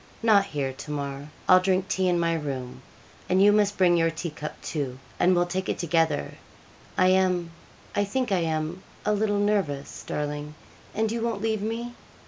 'Not here, Tamar; I'll drink tea in my room; and you must bring your tea cup, too, and we'll take it together. I am I think I am a little nervous, darling, and you won't leave me?'